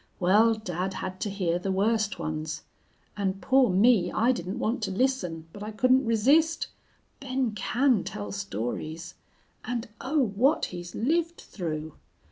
Well, dad had to hear the worst ones. And poor me, I didn't want to listen, but I couldn't resist. Ben can tell stories. And oh, what he's lived through!